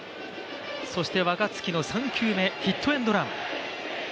そして若月の３球目、ヒットエンドラン。